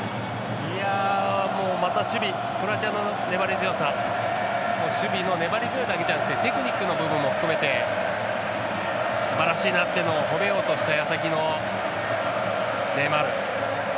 また守備、クロアチアの粘り強さ守備の粘り強さだけじゃなくてテクニックの部分も含めてすばらしいなっていうのを褒めようとしたやさきのネイマール。